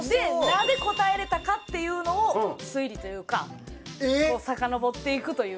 なぜ答えられたかっていうのを推理というかさかのぼっていくという。